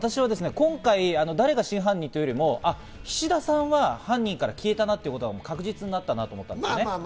今回、私は誰が真犯人というよりも、菱田さんは犯人から消えたなということが確実になったと思うんですね。